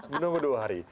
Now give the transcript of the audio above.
menunggu dua hari